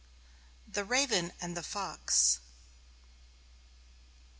The Raven And The Fox.